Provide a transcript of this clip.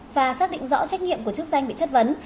và xác định rõ trách nhiệm của chức danh bị chất vấn